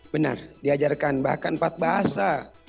benar diajarkan bahkan empat bahasa